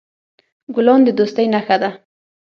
ګلان د دوستی نښه ده.